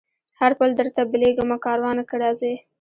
هر پل درته بلېږمه کاروانه که راځې